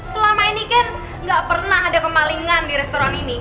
selama ini kan gak pernah ada kemalingan di restoran ini